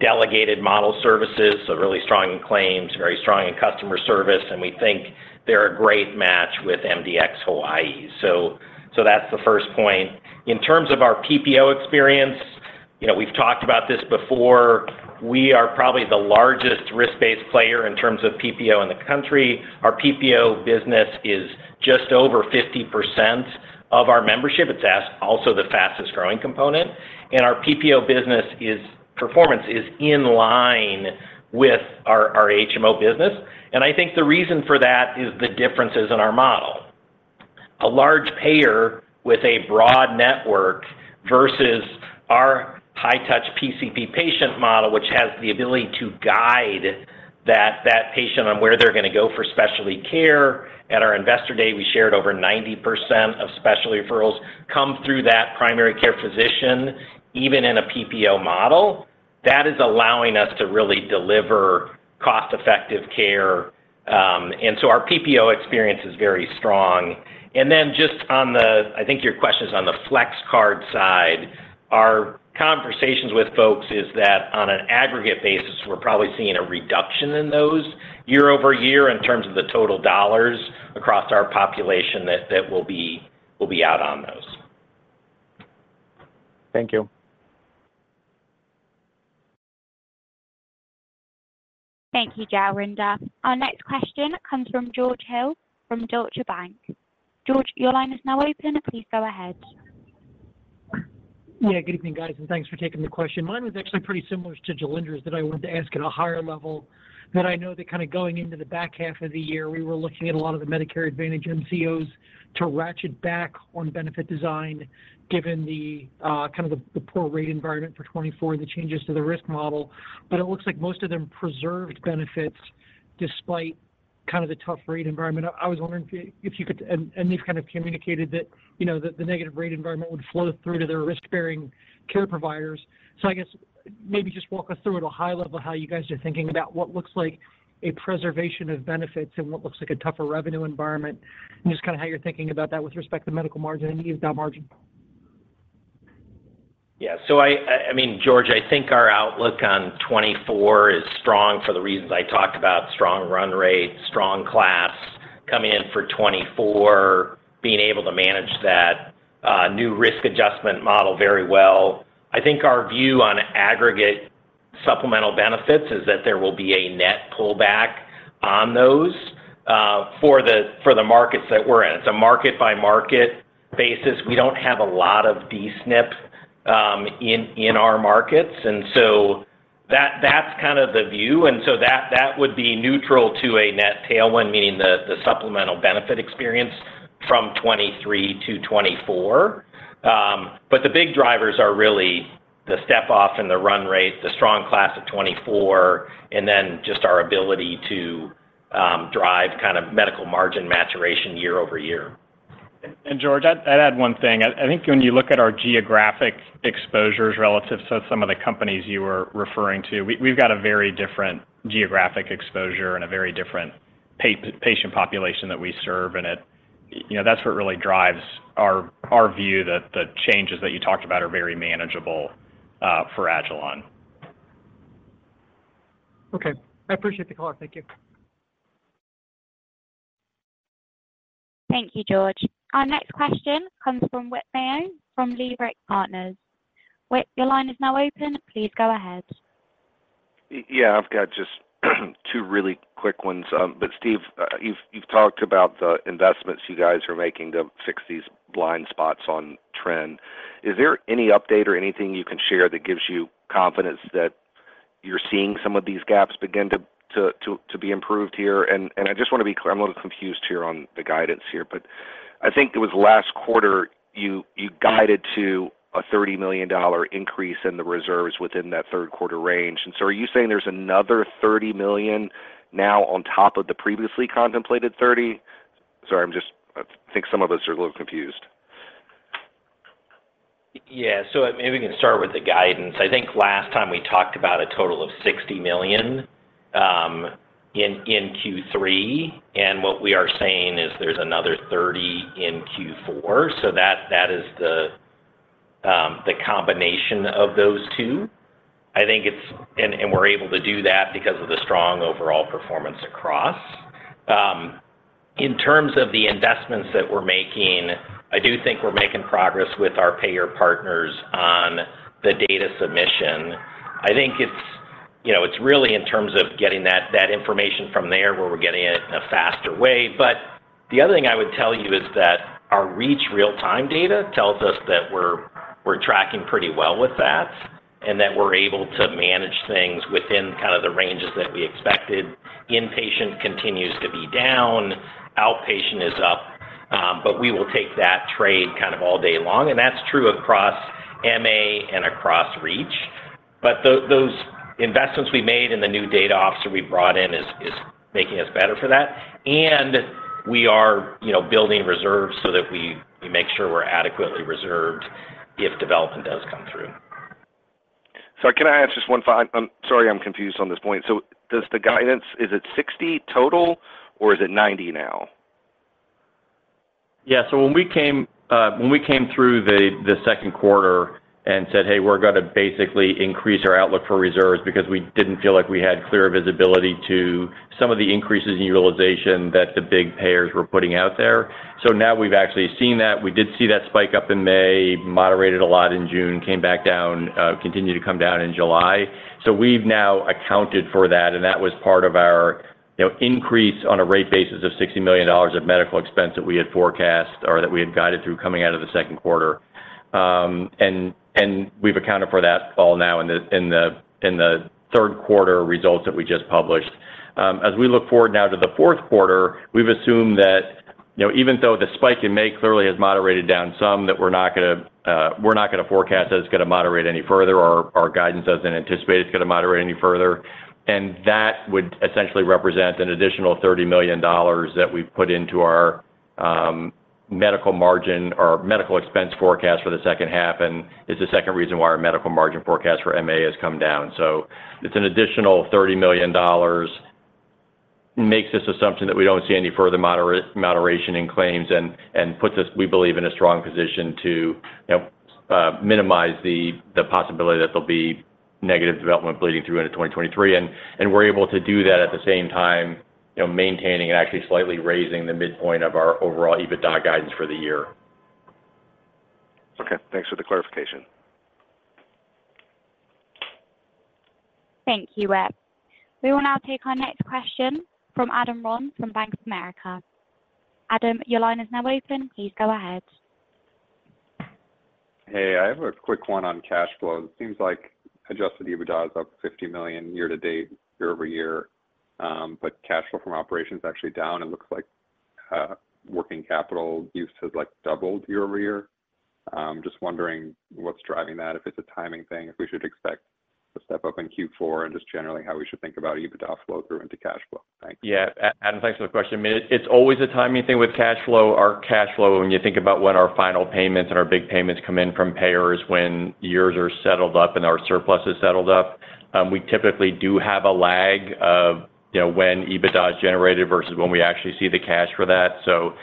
delegated model services, so really strong in claims, very strong in customer service, and we think they're a great match with MDX Hawaii. So that's the first point. In terms of our PPO experience, you know, we've talked about this before. We are probably the largest risk-based player in terms of PPO in the country. Our PPO business is just over 50% of our membership. It's also the fastest growing component, and our PPO business performance is in line with our HMO business, and I think the reason for that is the differences in our model. A large payer with a broad network versus our high touch PCP patient model, which has the ability to guide that, that patient on where they're gonna go for specialty care. At our Investor Day, we shared over 90% of specialty referrals come through that primary care physician, even in a PPO model. That is allowing us to really deliver cost-effective care, and so our PPO experience is very strong. And then just on the... I think your question is on the flex card side. Our conversations with folks is that on an aggregate basis, we're probably seeing a reduction in those year-over-year in terms of the total dollars across our population, that, that will be, will be out on those. Thank you. Thank you, Jailendra. Our next question comes from George Hill, from Deutsche Bank. George, your line is now open. Please go ahead. Yeah, good evening, guys, and thanks for taking the question. Mine was actually pretty similar to Jailendra's, that I wanted to ask at a higher level, that I know that kind of going into the back half of the year, we were looking at a lot of the Medicare Advantage MCOs to ratchet back on benefit design, given the kind of the poor rate environment for 2024, the changes to the risk model. But it looks like most of them preserved benefits despite kind of the tough rate environment. I was wondering if you, if you could, and you've kind of communicated that, you know, that the negative rate environment would flow through to their risk-bearing care providers. So, I guess maybe just walk us through, at a high level, how you guys are thinking about what looks like a preservation of benefits and what looks like a tougher revenue environment, and just kind of how you're thinking about that with respect to medical margin and EBITDA margin? Yeah. So I mean, George, I think our outlook on 2024 is strong for the reasons I talked about, strong run rate, strong class coming in for 2024, being able to manage that new risk adjustment model very well. I think our view on aggregate supplemental benefits is that there will be a net pullback on those for the markets that we're in. It's a market-by-market basis. We don't have a lot of D-SNPs in our markets, and so that's kind of the view, and so that would be neutral to a net tailwind, meaning the supplemental benefit experience from 2023 to 2024. But the big drivers are really the step off and the run rate, the strong class of 2024, and then just our ability to drive kind of medical margin maturation year over year. George, I'd add one thing. I think when you look at our geographic exposures relative to some of the companies you were referring to, we've got a very different geographic exposure and a very different patient population that we serve, and you know, that's what really drives our view that the changes that you talked about are very manageable for Agilon. Okay. I appreciate the call. Thank you. Thank you, George. Our next question comes from Whit Mayo from Leerink Partners. Whit, your line is now open, please go ahead. Yeah, I've got just two really quick ones. But Tim, you've talked about the investments you guys are making to fix these blind spots on trend. Is there any update or anything you can share that gives you confidence that you're seeing some of these gaps begin to be improved here? And I just wanna be clear, I'm a little confused here on the guidance here, but I think it was last quarter, you guided to a $30 million increase in the reserves within that Q3 range. And so are you saying there's another $30 million now on top of the previously contemplated $30 million? Sorry, I'm just. I think some of us are a little confused. Yeah. So maybe we can start with the guidance. I think last time we talked about a total of $60 million in Q3, and what we are saying is there's another $30 million in Q4. So that is the combination of those two. I think it's, and we're able to do that because of the strong overall performance across. In terms of the investments that we're making, I do think we're making progress with our payer partners on the data submission. I think it's, you know, it's really in terms of getting that information from there, where we're getting it in a faster way. But the other thing I would tell you is that our REACH real-time data tells us that we're tracking pretty well with that, and that we're able to manage things within kind of the ranges that we expected. Inpatient continues to be down, outpatient is up, but we will take that trade kind of all day long, and that's true across MA and across REACH. But those investments we made in the new data officer we brought in is making us better for that. And we are, you know, building reserves so that we make sure we're adequately reserved if development does come through. So can I ask just one final... I'm sorry, I'm confused on this point. So does the guidance, is it 60 total, or is it 90 now? Yeah, so when we came through the second quarter and said, "Hey, we're gonna basically increase our outlook for reserves," because we didn't feel like we had clear visibility to some of the increases in utilization that the big payers were putting out there. So now we've actually seen that. We did see that spike up in May, moderated a lot in June, came back down, continued to come down in July. So we've now accounted for that, and that was part of our, you know, increase on a rate basis of $60 million of medical expense that we had forecast or that we had guided through coming out of the second quarter. And we've accounted for that all now in the Q3 results that we just published. As we look forward now to the Q4, we've assumed that, you know, even though the spike in May clearly has moderated down some, that we're not gonna forecast that it's gonna moderate any further, or our guidance doesn't anticipate it's gonna moderate any further. And that would essentially represent an additional $30 million that we've put into our medical margin or medical expense forecast for the second half, and is the second reason why our medical margin forecast for MA has come down. So it's an additional $30 million, makes this assumption that we don't see any further moderation in claims and puts us, we believe, in a strong position to minimize the possibility that there'll be negative development bleeding through into 2023. And we're able to do that at the same time, you know, maintaining and actually slightly raising the midpoint of our overall EBITDA guidance for the year. Okay, thanks for the clarification. Thank you, Whit. We will now take our next question from Adam Ron, from Bank of America. Adam, your line is now open. Please go ahead. Hey, I have a quick one on cash flow. It seems like adjusted EBITDA is up $50 million year-to-date, year-over-year, but cash flow from operations is actually down. It looks like working capital use has, like, doubled year-over-year. Just wondering what's driving that, if it's a timing thing, if we should expect to step up in Q4, and just generally, how we should think about EBITDA flow through into cash flow. Thanks. Yeah, Adam, thanks for the question. I mean, it's always a timing thing with cash flow. Our cash flow, when you think about when our final payments and our big payments come in from payers, when years are settled up and our surplus is settled up, we typically do have a lag of, you know, when EBITDA is generated versus when we actually see the cash for that. So,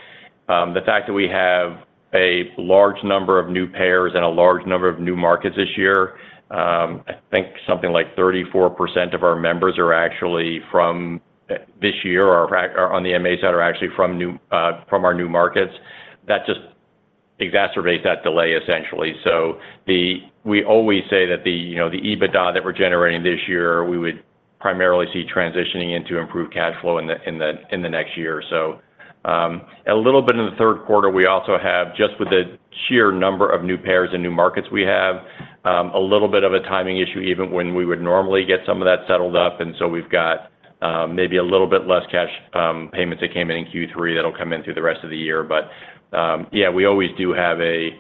the fact that we have a large number of new payers and a large number of new markets this year, I think something like 34% of our members are actually from this year or are on the MA side, are actually from new from our new markets. That just exacerbates that delay, essentially. So, we always say that the, you know, the EBITDA that we're generating this year, we would primarily see transitioning into improved cash flow in the next year or so. A little bit in the Q3, we also have, just with the sheer number of new payers and new markets we have, a little bit of a timing issue, even when we would normally get some of that settled up. And so we've got maybe a little bit less cash payments that came in in Q3 that'll come in through the rest of the year. But yeah, we always do have a,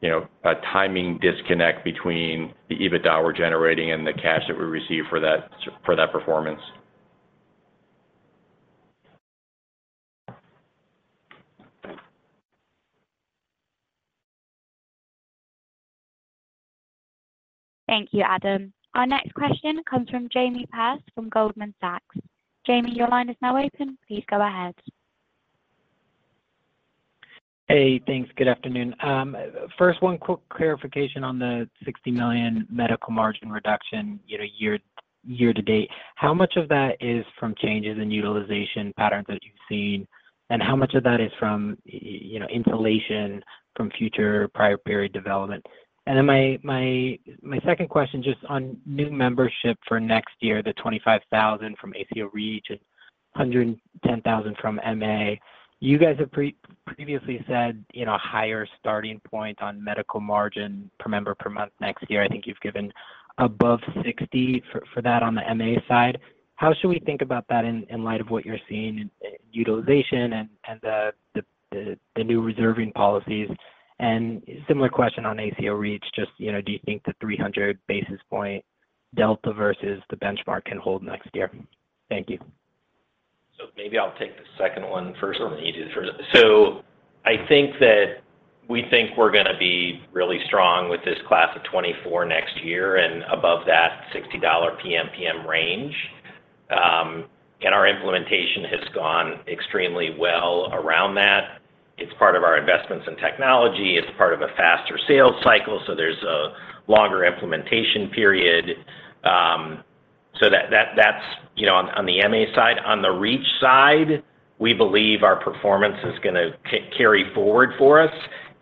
you know, a timing disconnect between the EBITDA we're generating and the cash that we receive for that performance. Thank you, Adam. Our next question comes from Jamie Perse from Goldman Sachs. Jamie, your line is now open. Please go ahead. Hey, thanks. Good afternoon. First, one quick clarification on the $60 million medical margin reduction, you know, year to date. How much of that is from changes in utilization patterns that you've seen, and how much of that is from, you know, insulation from future prior period development? And then my second question, just on new membership for next year, the 25,000 from ACO REACH and 110,000 from MA. You guys have previously said, you know, higher starting point on medical margin per member, per month next year. I think you've given above $60 for that on the MA side. How should we think about that in light of what you're seeing in utilization and the new reserving policies? Similar question on ACO REACH, just, you know, do you think the 300 basis point delta versus the benchmark can hold next year? Thank you. So maybe I'll take the second one first. It's easier. So I think that we think we're gonna be really strong with this class of 2024 next year and above that $60 PMPM range. And our implementation has gone extremely well around that. It's part of our investments in technology, it's part of a faster sales cycle, so there's a longer implementation period. So that's, you know, on the MA side. On the REACH side, we believe our performance is gonna carry forward for us.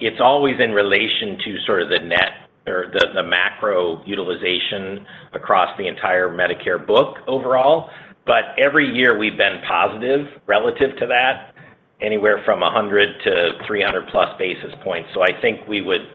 It's always in relation to sort of the net or the macro utilization across the entire Medicare book overall. But every year we've been positive relative to that, anywhere from 100 to 300+ basis points. So I think we would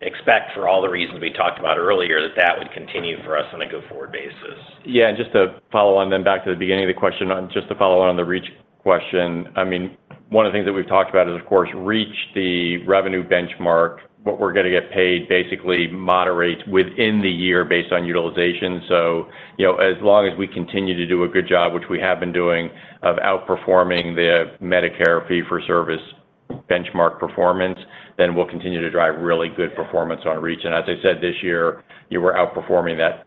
expect for all the reasons we talked about earlier, that that would continue for us on a go-forward basis. Yeah, and just to follow on, then back to the beginning of the question, just to follow on the REACH question. I mean, one of the things that we've talked about is, of course, REACH, the revenue benchmark, what we're gonna get paid, basically moderates within the year based on utilization. So, you know, as long as we continue to do a good job, which we have been doing, of outperforming the Medicare fee-for-service benchmark performance, then we'll continue to drive really good performance on REACH. And as I said, this year, we're outperforming that,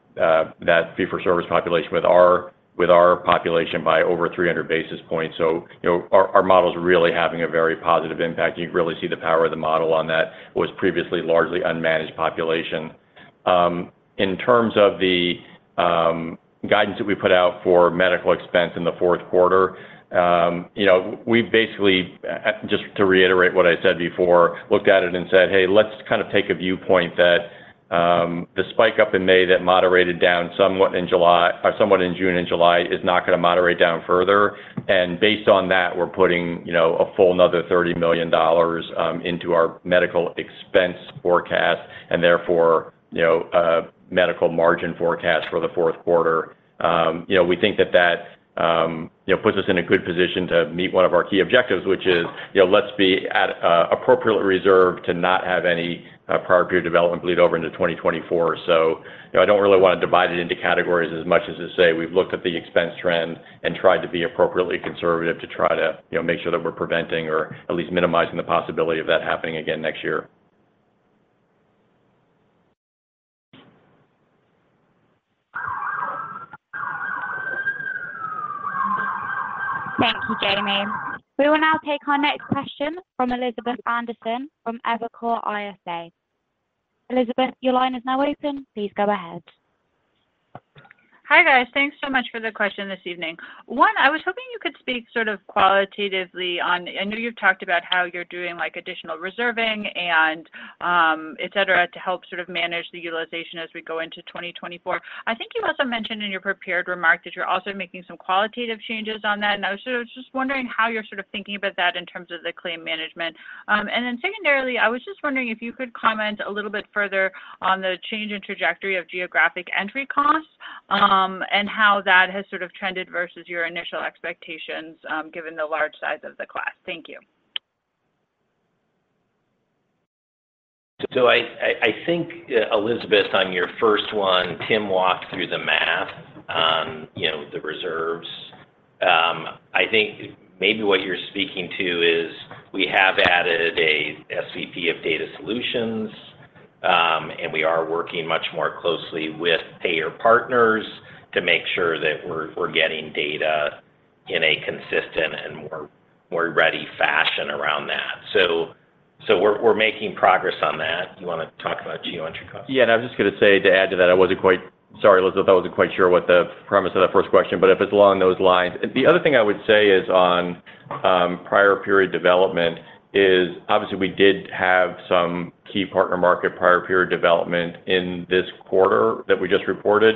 that fee-for-service population with our, with our population by over 300 basis points. So, you know, our, our model is really having a very positive impact. You can really see the power of the model on that, was previously largely unmanaged population. In terms of the guidance that we put out for medical expense in the Q4, you know, we basically just to reiterate what I said before, looked at it and said, "Hey, let's kind of take a viewpoint that the spike up in May that moderated down somewhat in July or somewhat in June and July is not gonna moderate down further." And based on that, we're putting, you know, a full another $30 million into our medical expense forecast and therefore, you know, a medical margin forecast for the Q4. You know, we think that that, you know, puts us in a good position to meet one of our key objectives, which is, you know, let's be at appropriately reserved to not have any prior period development bleed over into 2024. You know, I don't really want to divide it into categories as much as to say we've looked at the expense trend and tried to be appropriately conservative, to try to, you know, make sure that we're preventing or at least minimizing the possibility of that happening again next year. Thank you, Jamie. We will now take our next question from Elizabeth Anderson, from Evercore ISI. Elizabeth, your line is now open. Please go ahead. Hi, guys. Thanks so much for the question this evening. One, I was hoping you could speak sort of qualitatively on... I know you've talked about how you're doing, like, additional reserving and, et cetera, to help sort of manage the utilization as we go into 2024. I think you also mentioned in your prepared remarks that you're also making some qualitative changes on that, and I was just, just wondering how you're sort of thinking about that in terms of the claim management. And then secondarily, I was just wondering if you could comment a little bit further on the change in trajectory of geographic entry costs, and how that has sort of trended versus your initial expectations, given the large size of the class. Thank you. So I think, Elizabeth, on your first one, Tim walked through the math on, you know, the reserves. I think maybe what you're speaking to is we have added a SVP of data solutions, and we are working much more closely with payer partners to make sure that we're getting data in a consistent and more ready fashion around that. So we're making progress on that. Do you wanna talk about geographic costs? Yeah, and I was just gonna say, to add to that, I wasn't quite... Sorry, Elizabeth, I wasn't quite sure what the premise of that first question, but if it's along those lines. The other thing I would say is on prior period development is obviously we did have some key partner market prior period development in this quarter that we just reported.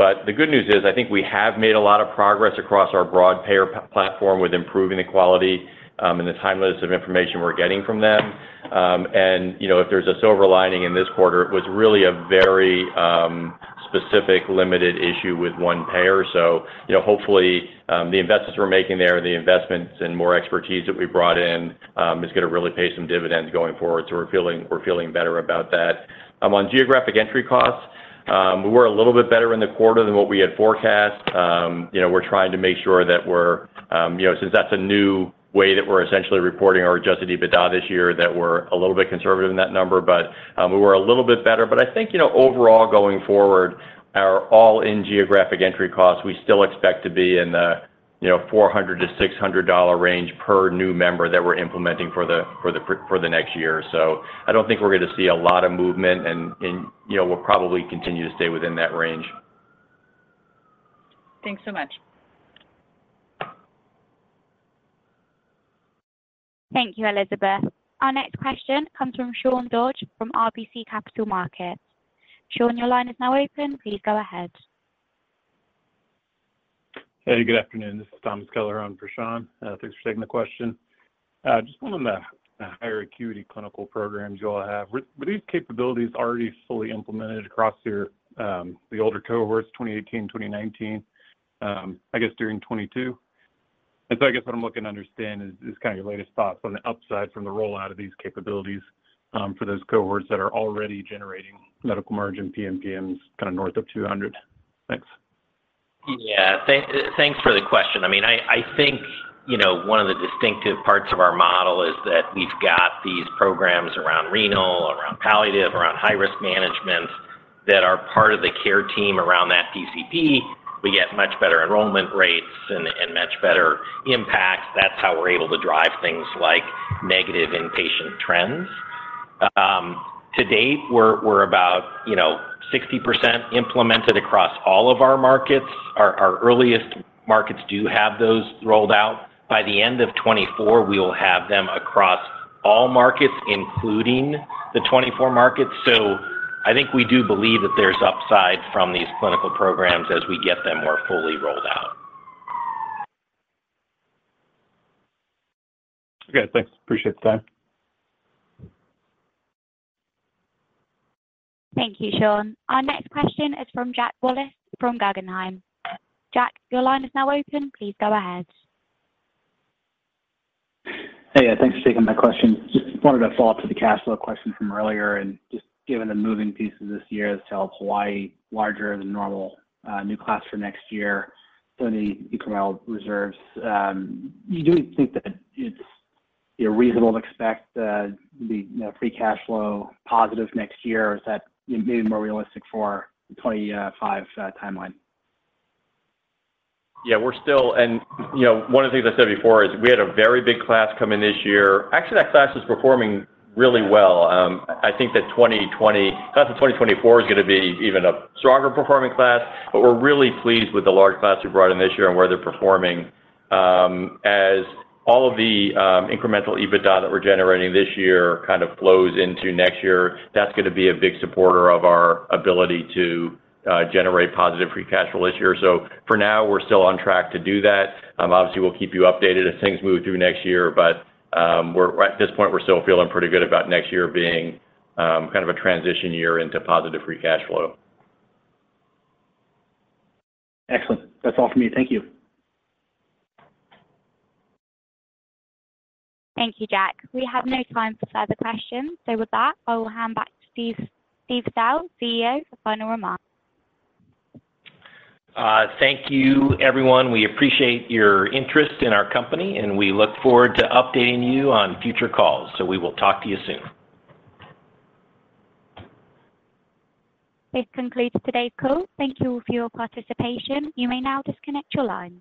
But the good news is, I think we have made a lot of progress across our broad payer platform with improving the quality and the timeliness of information we're getting from them. And, you know, if there's a silver lining in this quarter, it was really a very specific limited issue with one payer. So, you know, hopefully the investments we're making there, the investments and more expertise that we brought in is gonna really pay some dividends going forward. So we're feeling, we're feeling better about that. On geographic entry costs, we were a little bit better in the quarter than what we had forecast. You know, we're trying to make sure that we're, you know, since that's a new way that we're essentially reporting our adjusted EBITDA this year, that we're a little bit conservative in that number, but, we were a little bit better. But I think, you know, overall, going forward, our all-in geographic entry costs, we still expect to be in the, you know, $400-$600 range per new member that we're implementing for the next year. So I don't think we're going to see a lot of movement, and, you know, we'll probably continue to stay within that range. Thanks so much. Thank you, Elizabeth. Our next question comes from Sean Dodge, from RBC Capital Markets. Sean, your line is now open. Please go ahead. Hey, good afternoon. This is Thomas Keller on for Sean. Thanks for taking the question. Just one on the higher acuity clinical programs you all have. Were these capabilities already fully implemented across your the older cohorts, 2018, 2019, I guess during 2022? And so I guess what I'm looking to understand is kind of your latest thoughts on the upside from the rollout of these capabilities for those cohorts that are already generating medical margin PMPMs kind of north of 200. Thanks. Yeah. Thanks for the question. I mean, I think, you know, one of the distinctive parts of our model is that we've got these programs around renal, around palliative, around high-risk management, that are part of the care team around that PCP. We get much better enrollment rates and much better impact. That's how we're able to drive things like negative inpatient trends. To date, we're about, you know, 60% implemented across all of our markets. Our earliest markets do have those rolled out. By the end of 2024, we will have them across all markets, including the 24 markets. So I think we do believe that there's upside from these clinical programs as we get them more fully rolled out. Okay, thanks. Appreciate the time. Thank you, Sean. Our next question is from Jack Wallace, from Guggenheim. Jack, your line is now open. Please go ahead. Hey, thanks for taking my question. Just wanted to follow up to the cash flow question from earlier, and just given the moving pieces this year to help Hawaii, larger than normal, new class for next year, so the incremental reserves, do you think that it's, you know, reasonable to expect the, the, you know, free cash flow positive next year, or is that maybe more realistic for the 2025 timeline? Yeah, we're still. And, you know, one of the things I said before is we had a very big class come in this year. Actually, that class is performing really well. I think that 2020 class of 2024 is gonna be even a stronger performing class, but we're really pleased with the large class we brought in this year and where they're performing. As all of the incremental EBITDA that we're generating this year kind of flows into next year, that's gonna be a big supporter of our ability to generate positive free cash flow this year. So for now, we're still on track to do that. Obviously, we'll keep you updated as things move through next year, but at this point, we're still feeling pretty good about next year being kind of a transition year into positive free cash flow. Excellent. That's all for me. Thank you. Thank you, Jack. We have no time for further questions. With that, I will hand back to Steve Sell, CEO, for final remarks. Thank you, everyone. We appreciate your interest in our company, and we look forward to updating you on future calls. We will talk to you soon. This concludes today's call. Thank you all for your participation. You may now disconnect your lines.